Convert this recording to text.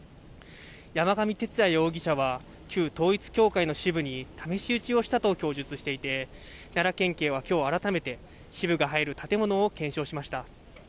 山上徹也容疑者は、旧統一教会の支部に試し撃ちをしたと供述していて、奈良県警はきょう改めて、支部が入る建物を検証しました。